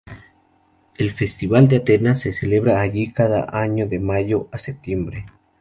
El "Festival de Atenas" se celebra allí cada año de mayo a septiembre.